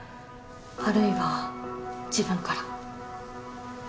あるいは自分から。